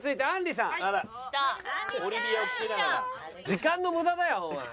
時間の無駄だよおい。